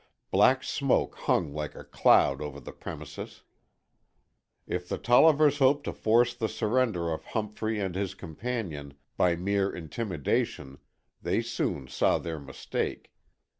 Black smoke hung like a cloud over the premises. If the Tollivers hoped to force the surrender of Humphrey and his companion by mere intimidation, they soon saw their mistake.